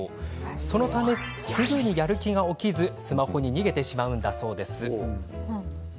そのため、すぐにやる気が起きずスマホに逃げてしまうんだそうです。